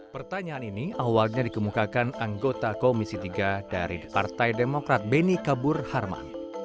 pertanyaan ini awalnya dikemukakan anggota komisi tiga dari partai demokrat beni kabur harman